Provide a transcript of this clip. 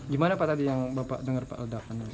gimana pak tadi yang bapak dengar pak ledakan